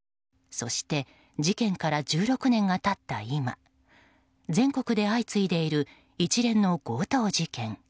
そして事件から１６年が経った今全国で相次いでいる一連の強盗事件。